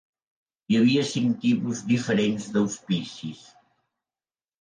Hi havia cinc tipus diferents d"auspicis.